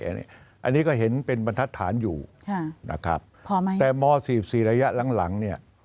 อันนี้ก็เห็นเป็นบรรทัศน์อยู่นะครับพอไหมแต่ม๔๔ระยะหลังเนี่ย